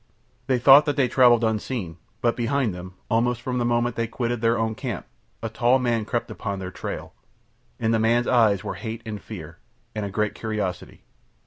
They thought that they travelled unseen; but behind them, almost from the moment they quitted their own camp, a tall man crept upon their trail. In the man's eyes were hate and fear, and a great curiosity.